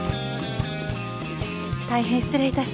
大変失礼いたしました。